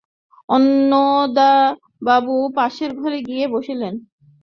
অন্নদাবাবু পাশের ঘরে গিয়া বসিলেন।